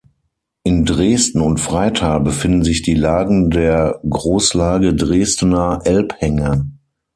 In Dresden und Freital befinden sich die Lagen der Großlage Dresdener Elbhänge.